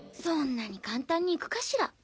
そんなに簡単にいくかしら？